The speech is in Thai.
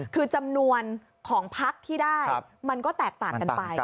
คือจำนวนของพักที่ได้มันก็แตกต่างกันไป